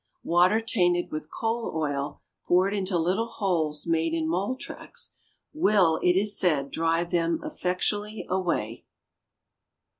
Water tainted with coal oil, poured into little holes made in mole tracks, will, it is said, drive them effectually away.